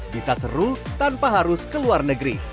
bisa seru tanpa harus ke luar negeri